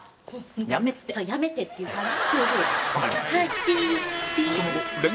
「やめて」っていう感じで。